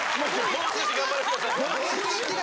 もう少し頑張らせてください。